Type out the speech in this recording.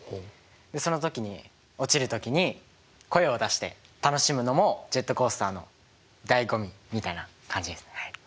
その時に落ちる時に声を出して楽しむのもジェットコースターのだいご味みたいな感じです。